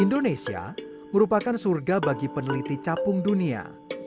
indonesia merupakan surga bagi peneliti capung dunia